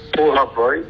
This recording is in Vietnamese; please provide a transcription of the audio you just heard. phù hợp với